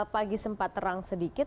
pagi sempat terang sedikit